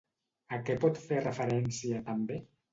A què pot fer referència, també?